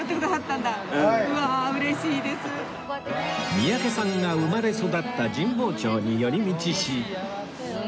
三宅さんが生まれ育った神保町に寄り道し